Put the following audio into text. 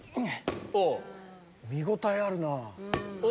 見応えあるなぁ。